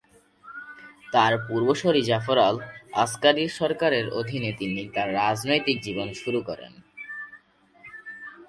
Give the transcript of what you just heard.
তার পূর্বসূরি জাফর আল-আসকারির সরকারের অধীনে তিনি তার রাজনৈতিক জীবন শুরু করেন।